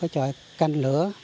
và một trò canh lửa